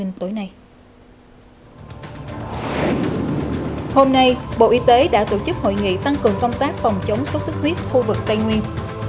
hôm nay bộ y tế đã tổ chức hội nghị tăng cường công tác phòng chống sốt xuất huyết khu vực tây nguyên